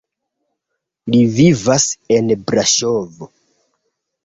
Li vivas en Braŝovo.